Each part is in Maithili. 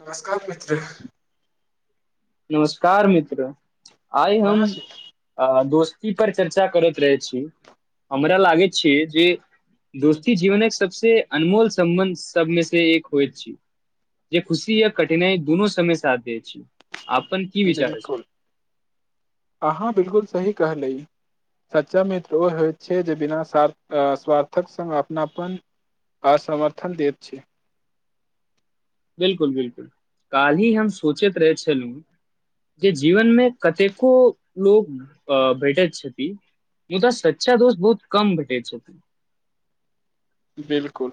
नमस्कार मित्र नमस्कार मित्र आइ कोना हम छी आ दोस्त की पर चर्चा करैत रहै छी हमरा लागै छिये जे दोस्ती जीवन सबसे अनमोल सम्बन्ध सबमे से एक होइत छी जे खुशी य कठिनाइ दुनू समय साथ द छै बिलकुल अहाँ बिलकुल सही कहलैय सच्चा मित्र ओ होइत छै जे बिना सार्थ अ स्वार्थक संघ अपनापन आ समर्थन दैत छै बिलकुल बिलकुल काल्हि हम सोचैत रहै छलहुँ जे जीवनमे कतेको लोक अ भेटैत छथि मुदा सच्चा दोस्त बहुत कम भेटैत छैथ बिलकुल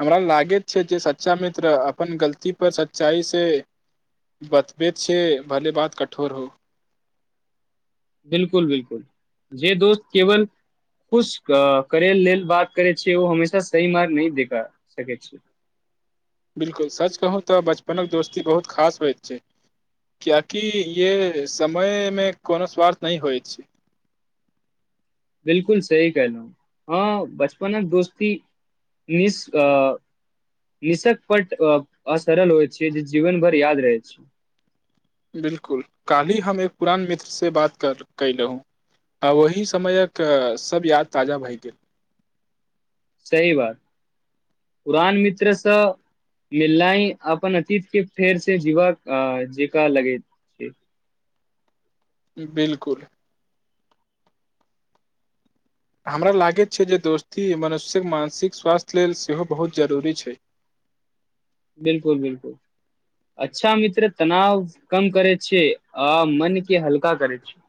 हमरा लागैत छै जे सच्चा मित्र अपन गलती पर सच्चाई से बतबैत छै भले बात कठोर हो बिलकुल बिलकुल जे दोस्त केवल खुश क करै लेल बात करैत छै ओ हमेशा सही मार्ग नहि दे पाइ सकैत छै [inaudible] बिलकुल सच कहू तऽ बचपनक दोस्ती बहुत खास होइत छै कियाकि ये समयमे कोनो स्वार्थ नहि होइत छै बिलकुल सही कहलहु हँ बचपनक दोस्ती निश् आ निशक पट असरल होइत छै जे जीवनभर याद रहैत छै बिलकुल काल्हि हम एक पुरान मित्र से बात कर कयलौ आ ओही समयक सब याद ताजा भए गेल सही बात पुरान मित्रसँ मिलनाइ अपन अतीत के फेर से जीवा जेका लगे छै बिलकुल हमरा लागैत छै जे दोस्ती मनुष्यक मानसिक स्वास्थ्य लेल सेहो बहुत जरूरी छै बिलकुल बिलकुल अच्छा मित्र तनाव कम करै छै आ मन के हल्का करै छै [inaudible]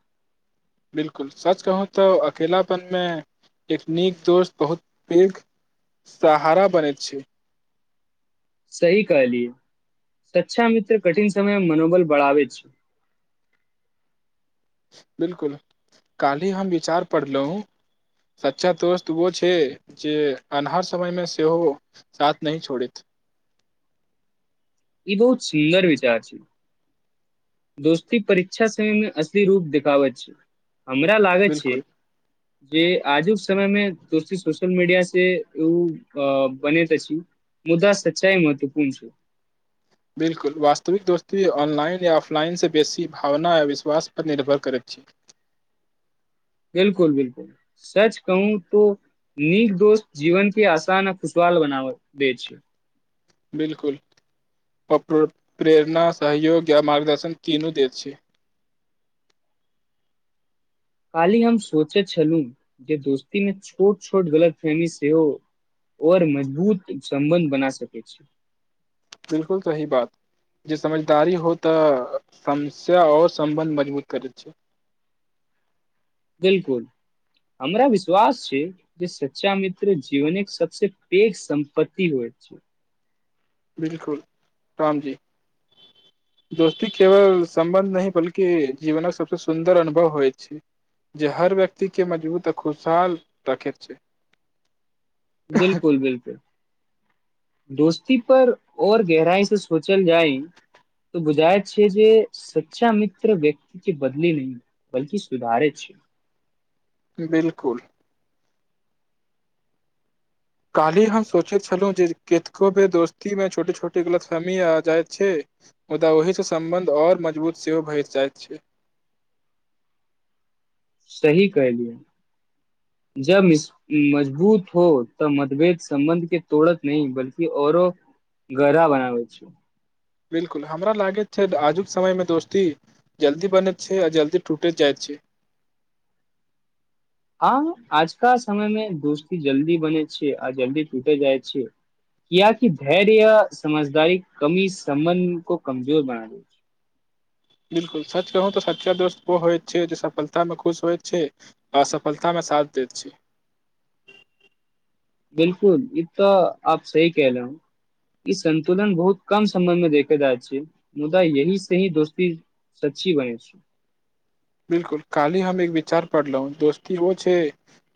बिलकुल सच कहूं तऽ अकेलापनमे एक नीक दोस्त बहुत पैघ सहारा बनैत छै सही कहलियै सच्छा मित्र कठिन समयमे मनोबल बढ़ावे छै बिलकुल काल्हि हम विचार पढ़लो सच्चा दोस्त वो छै जे अन्हार समय मे सेहो साथ नहि छोड़ैत ई बहुत सुन्दर विचार छै दोस्ती परीक्षा समय मे असली रूप देखबै छै हमरा लागै छै बिलकुल जे आजुक समयमे दोस्ती सोशल मीडिया से उ बनेत अछि मुदा सच्चाइ महत्वपूर्ण छै बिलकुल वास्तविक दोस्ती ऑनलाइन या ऑफलाइन से बेसी भावना य विश्वास पर निर्भर करैत छै बिलकुल बिलकुल सच कहूं तो नीक दोस्त जीवन के आसान आ खुशहाल बनाव दै छै बिलकुल पप प्रेरणा सहयोग या मार्गदर्शन तीनू दैत छै [inaudible] काल्हि हम सोचैत छलहुँ जे दोस्तीमे छोट छोट गलत फहमी सेहो और मजबूत सम्बन्ध बना सकै छै बिलकुल सही बात जे समझदारी हो तऽ समस्या और सम्बन्ध मजबूत करैत छै बिलकुल हमरा विश्वास छै जे सच्चा मित्र जीवन एक सबसे पैघ संपत्ति होइ अच्छा बिल्कुल राम जी [inaudible] दोस्ती केवल सम्बन्ध नहि बल्कि जीवनक सबसे सुन्दर अनुभव होइत जे हर व्यक्ति के मजबूत आ खुशहाल राखेत छै बिल्कुल बिल्कुल दोस्त ई पर और गहराइ से सोचल जाइ त बुझाय छै जे सच्चा मित्र व्यक्ति बदलि नहि बल्की सुधारे छै [inaudible] बिल्कुल काल्हि हम सोचैत छलहुँ जे केतको भ दोस्ती मे छोटे छोटे गलतफैमी आ जाइत छै मुदा ओहिसँ सम्बन्ध आओर मजबूत सेहो भइ जाइत छै सही कहेली जब मजबूत हो तऽ मतभेद संबन्ध के तोड़त नहि बल्कि औरो घरा बनाबै छै बिलकुल हमरा लागैत छै आजुक समय मे दोस्ती जल्दी बनैत छै आ जल्दी टूटैत जाइत छै [inaudible] आ आज का समयमे दोस्ती जल्दी बने छियै आ जल्दी टूटे जाय छियै कियाकि धैर्य समझदारी कमी सम्बन्ध को कमजोर बना दय छै [inaudible] बिलकुल सच कहू तऽ सचा दोस्त ओ होइत छै जे सफलतामे खुश होइत छै असफलतामे साथ दैत छै बिल्कुल ई तऽ आप सही कह रह ई संन्तुलन बहुत कम समयमे देखे जाइत छै मुदा यही से ही दोस्ती सच्ची बनै छै बिल्कुल कालहि हम एक विचार पढ़लहुँ दोस्ती ओ छै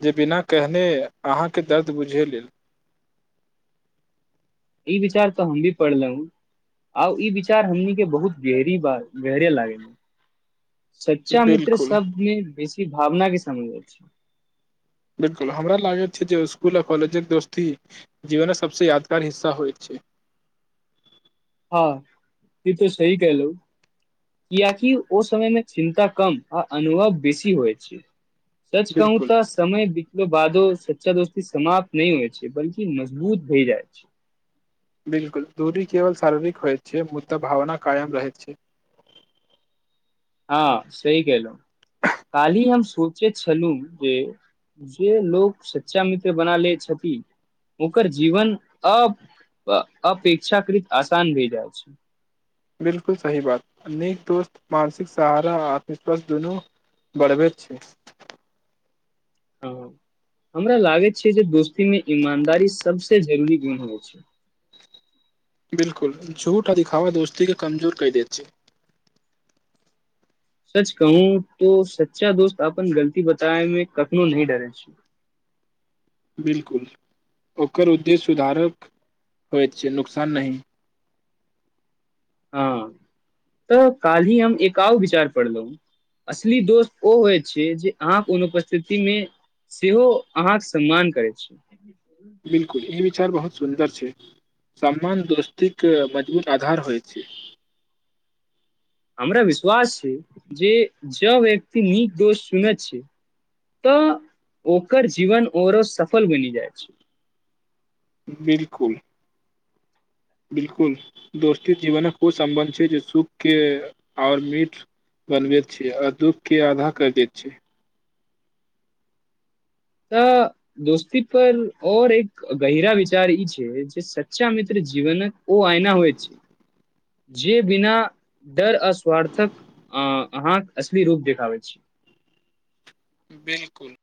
जे बिना कहने अहाँ अहां के दर्द बुझेय लेल [inaudible] विचार त हम भी पढ़लहुं आउ ई विचार हमनीके बहुत गहरी बात गहरय लागै सच्चा मित्र बिल्कुल शब्दमे बेसी भावना के समय अछि बिल्कुल हमरा लागैत छै जे स्कुल आ कॉलेजक दोस्ती जीवन सबसे यादगार हिस्सा होइत छै हँ ई त सही कैहलु कियाकि ओ समयमे चिन्ता कम आ अनुभव बेसी होइ छै सच कहू बिल्कुल त समय बि तला क बादो सच्चा दोस्ती समाप्त नहीं होइ छै बल्कि मजबूत भइ जाइ छै बिल्कुल दूरी केवल शारीरिक होइत छै मुद्दा भावना कायम रहैत छै हँ सही कैहल‌उ कालहि हम सोचैत छलहुँ जे जे लोक सच्चा मित्र बना ले छथि ओकर जीवन अ अपेक्षाकृत आसान भए जाइत छै बिल्कुल सही बात नेक दोस्त मानसिक सहारा आत्म-विश्वास दुनू बड़बैत छै ओ हमरा लागैत छै जे दोस्तीमे ईमानदारी सभसँ जरूरी गुण होइ छै बिल्कुल झूठ आ दिखावा दोस्ती के कमजोर कै देेत छैे सच कहू तो सच्चा दोस्त अपन गलती बताए मे कखनो नइ डरे छै [inaudible] बिलकुल ओकर उद्देश्य सुधारक होइत छै नुकसान नहि हँ तऽ काल्हि हम एक आउर विचार पढ़लहुँ असली दोस ओ होइत छै जे अहाँके अनुपस्थितिमे सेहो अहाँके सम्मान करैत छै बिलकुल ई विचार बहुत सुन्दर छै सम्मान दोस्ती के मजबूत आधार होय छै हमरा विश्वास छै जे जँ व्यक्ति नीक दोस चुनैत छै तऽ ओकर जीवन आउरो सफल बनि जाइ छै बिलकुल बिलकुल दोस्ती जीवनक ओ सम्बन्ध छै जे सुख के आओर मीठ बनबैत छियै आ दुःख के आधा कैर दैत छियै तऽ दोस्ती पर और एक गहिरा विचार ई छै जे सच्चा मित्र जीवने ओ आयना हो छै जे बिना डर अ स्वार्थक अहाँक असली रूप देखाबैत अछि [unintelligible] बिल्कुल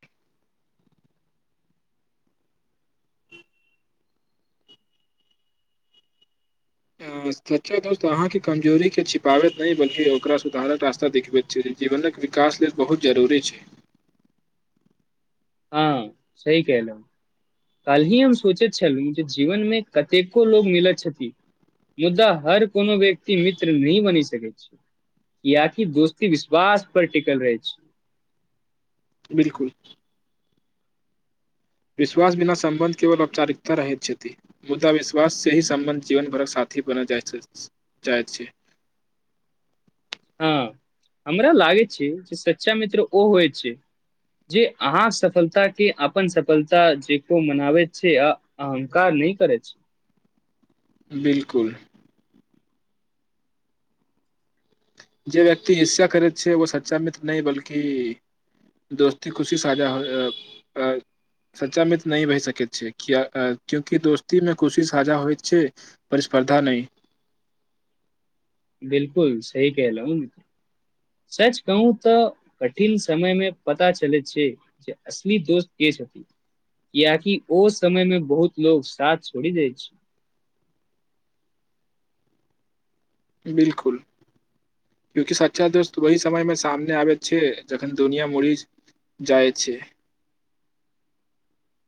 [unintelligible] अ, सच्चा दोस्त अहाँके कमजोरी के छिपाबैत नहि बल्कि ओकरा सुधारक रास्ता देखबैत छै जे जीवनक विकास लेल बहुत जरूरी छै [inaudible] हँ सही केहलउ काल्हि ही हम सोचैत छलहुँ जे जीवनमे कतेको लोको मिलैत छथि मुद्दा हर कोनो व्यक्ति मित्र नहि बनि सकैत छै किएकि दोस्ती विश्वास पर टिकल रहै छै बिलकुल विश्वास बिना संबन्ध केवल औपचारिकता रहैत छथि मुद्दा विश्वास से ही संबन्ध जीवन भरक साथ अथी बना जा चाहैत छै [inaudible] हँ हमरा लागै छै जे सच्चा मित्र ओ होइ छै जे अहाँ सफलता के अपन सफलता जेको मनाबैत छै आ अहंकार नहि करै छै बिलकुल जे व्यक्ति हिस्सा करैत छै ओ सच्चा मित्र नहि बल्कि दोस्ती खुशी साझा हो ए अ सच्चा मित्र नहि भहि सकैत छै क्यूंकि दोस्तीमे कुशी साझा होइत छै पर स्पर्धा नहि बिल्कुल सही कहलहू सच कहू तऽ कठिन समय मे पता चलैत छै जे असली दोस्त के छथि कियाकि ओ समयमे बहुत लोक साथ छोड़ि दैत छै [unintelligible] बिल्कुल क्यूंकि सच्चा दोस्त वहि समय मे सामने आबैत छै जखन दुनिया मुड़ी जाइ छै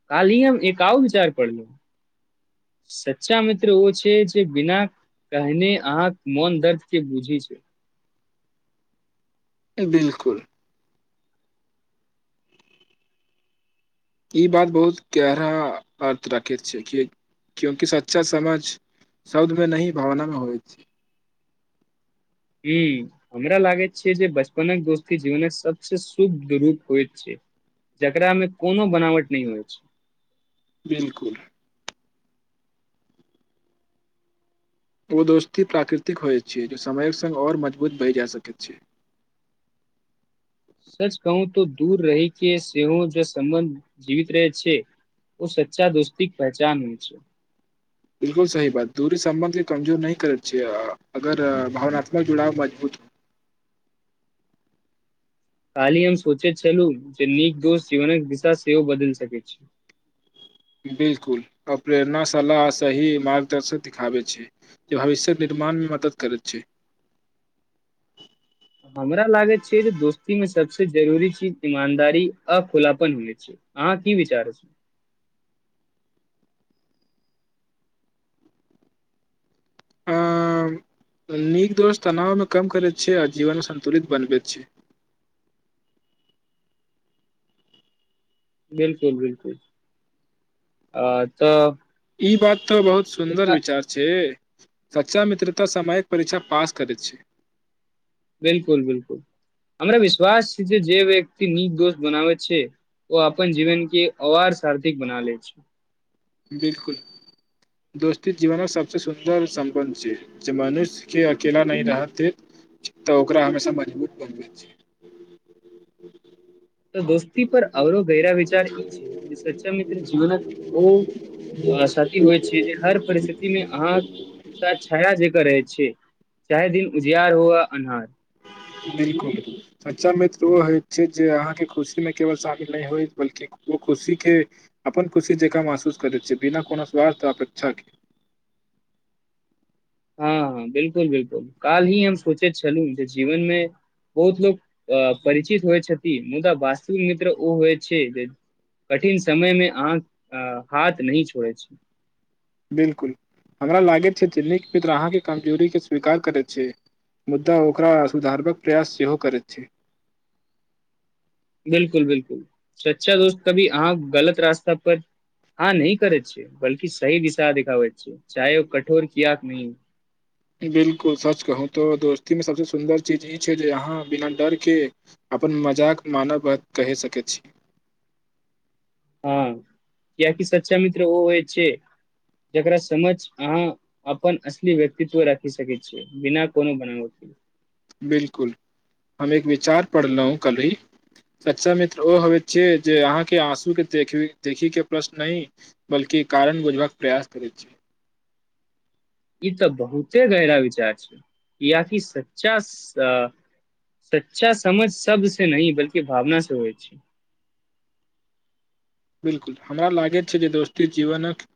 काल्हि हम एक आओर विचार पढ़लौ सच्चा मित्र ओ छै जे बिना कहने अहाँक मोन दर्द के बूझय छै बिल्कुल ई बात बहुत गेहरा अर्थ राखैत छै कि क्युंकि सच्चा समझ शब्दमे नही भावनामे होइ छै ह हमरा लागै छै जे बचपनक दोस्ती जीवन सबस शुद्ध रूप होय छै जकरामे कोनो बनावट नहि होय छै बिल्कुल ओ दोस्ती प्राकृतिक होइत छै जे समयक सङ्ग ओर मजबूत बहि जा सकैत छै [unintelligible] सच कहू त दूर रहि के सेहो ज सम्बन्ध जीवित रहे छै ओ सच्चा दोस्ती पहचान होय छै बिल्कुल सही बात दूरी सम्बन्ध के कमजोर नहि करैत छियै अगर भावनात्मक जुड़ाव मजबूत [unintelligible] काल्हि हम सोचैत छलहुँ जे नीक दोस्त जीवनक दिशा सेहो बदल सकैत छी [unintelligible] बिल्कुल अप प्ररेणाशाला सही मार्गदर्शक दिखाबे छै जे भविष्य निर्माण मदद करै छै [unintelligible] हमरा लागैत छै जे दोस्ती मे सबस जरूरी चीज ईमानदारी अ खुलापन होने छै अहा की विचार छै अ [inaudible] नीक दोष तनावमे कम करैत छैै आ जीवनमे सन्तुलित बनबैत छै बिल्कुल बिल्कुल आ तऽ ई बात तो बहुत सुन्दर विचार छै सच्चा मित्रता सामयिक परीक्षा पास करैत छै बिल्कुल बिल्कुल हमरा विश्वास छै जे व्यक्ति नीक दोस्त बनावै छै ओ अपन जीवन के अवार सारथिक बना ले छै बिल्कुल दोस्ती जीवनक सबसे सुन्दर सम्बन्ध छै ज मनुष्य के अकेला नहि रहतै तऽ ओकरा हमेशा मजबूत बनबै छै तऽ दोस्ती पर अरो घैरा विचार ई छै सच्चा मित्र जीवन ओ अ सची होइ छै जे हर परिस्थिति मे अहाँ छाया जेकर रहै छियै चाहे दिन उजियार हुआ अन्हार बिल्कुल सच्चा मित्र ओ होइत छै जे अहाँके खुशी मे केवल शामिल नहि होय बल्कि ओ खुशी के अपन खुशी जकाँ महसूस करैत छै बिना कोनो स्वार्थ अपेक्षा के [inaudible] हँ हँ बिलकुल बिलकुल काल्हि हम सोचैत छलहु जे जीवनमे बहुत लोक अ परिचित होइ छथि मुदा वास्तविक मित्र ओ होइ छै जे कठिन समयमे आहक हाथ नहि छोड़ै छै बिलकुल हमरा लागैत छै जे नीक मित्र अहाँके कमजोरीके स्वीकार करैत छै मुद्दा ओकरा सुधारबाक प्रयास सेहो करैत छै [inaudible] बिलकुल बिलकुल सच्चा दोस्त कभी अहाँ गलत रास्ता पर आ नइ करै छै बल्कि सही दिशा दिखावे छै चाहे ओ कठोर कियाक नहि बिलकुल सच कहू तो दोस्तीमे सबसँ सुन्दर चीज ई छै जे यहाँ बिना डर के अपन मजाक मानव कहि सकैत छी हँ क्यकि सच्चा मित्र ओ होइ छै जकरा समझ अहाँ अपन असली व्यक्तित्व राखि सकैत छियै बिना कोनो बनाओल [inaudible] बिलकुल हम एक विचार पढ़लहु हँ कलही सच्चा मित्र ओ हो छियै जे अहाँके आँसू के देख देखी के प्रश्न नहि बल्कि कि कारण बुझबाक प्रयास करैत छै [inaudible] ई तऽ बहुते गहिरा बिचार छै कियाकि सच्चा अ सच्चा समझ शब्द से नहि बल्कि भावना से होइ छै [inaudible] बिल्कुल हमरा लागे छै जे दोस्ती जीवनक